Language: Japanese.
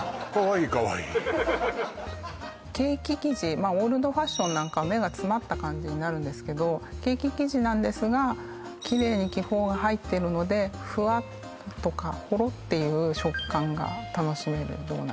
はいケーキ生地オールドファッションなんか目が詰まった感じになるんですけどケーキ生地なんですがキレイに気泡が入ってるのでふわっとかほろっていう食感が楽しめるドーナツ